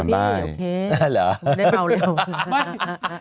เอาละพี่โอเคได้เมาเร็ว